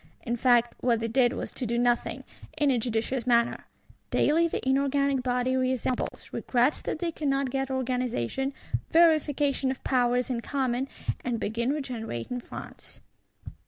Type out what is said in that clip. In fact, what they did was to do nothing, in a judicious manner. Daily the inorganic body reassembles; regrets that they cannot get organisation, "verification of powers in common, and begin regenerating France.